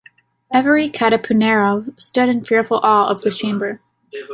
Every "katipunero" stood in fearful awe of this chamber.